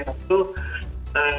itu ke dalam masa itu